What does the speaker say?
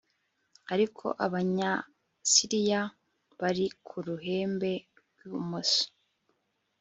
ariko abanyasiriya bari ku ruhembe rw'ibumoso